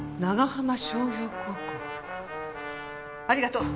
ありがとう！